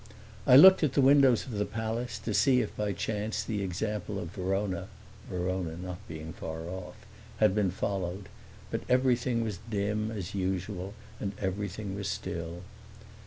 I looked at the windows of the palace to see if by chance the example of Verona (Verona being not far off) had been followed; but everything was dim, as usual, and everything was still.